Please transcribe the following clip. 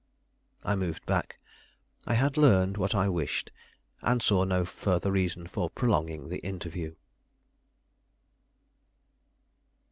I moved back. I had learned what I wished, and saw no further reason for prolonging the interview.